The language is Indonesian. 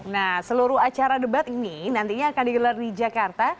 nah seluruh acara debat ini nantinya akan digelar di jakarta